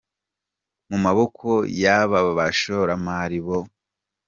mu maboko y’aba bashoramari bo.